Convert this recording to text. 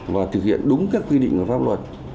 và thực hiện đúng các quy định của pháp luật